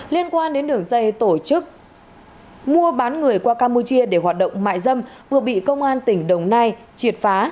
liên quan đến đường dây tổ chức mua bán người qua campuchia để hoạt động mại dâm vừa bị công an tỉnh đồng nai triệt phá